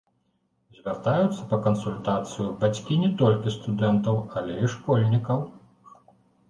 Звяртаюцца па кансультацыю бацькі не толькі студэнтаў, але і школьнікаў.